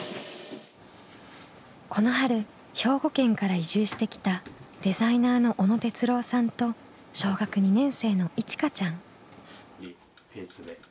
この春兵庫県から移住してきたデザイナーの小野哲郎さんと小学２年生のいちかちゃん。